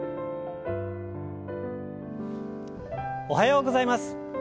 おはようございます。